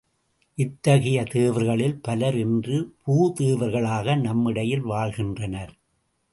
இத்தகைய தேவர்களில் பலர் இன்று பூதேவர்களாக நம்மிடையில் வாழ்கின்றனர்.